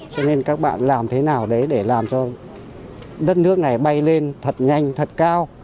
cho nên các bạn làm thế nào đấy để làm cho đất nước này bay lên thật nhanh thật cao